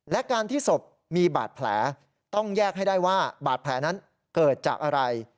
และการที่ศพมีบาดแผลต้องแยกให้ได้ว่าบาดแผลนั้นเกิดจากอะไร